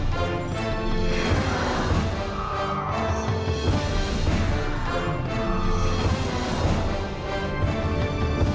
โปรดติดตามตอนต่อไป